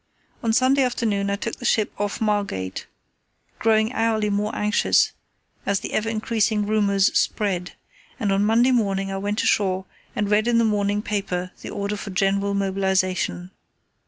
On Sunday afternoon I took the ship off Margate, growing hourly more anxious as the ever increasing rumours spread; and on Monday morning I went ashore and read in the morning paper the order for general mobilization.